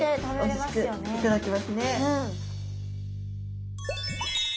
おいしく頂けますね。